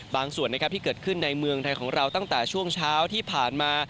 ที่เกิดขึ้นในเมืองไทยของเราตั้งแต่ช่วงเช้าที่ผ่านมา